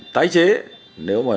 tái chế nếu mà